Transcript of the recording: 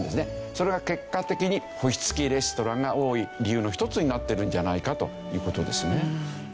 それが結果的に星付きレストランが多い理由の一つになってるんじゃないかという事ですね。